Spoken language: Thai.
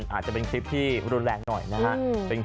อาจจะเป็นคลิปที่รุนแรงหน่อยนะครับ